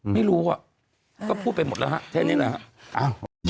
ไม่รู้อ่ะก็พูดไปหมดแล้วฮะแค่นี้แหละฮะ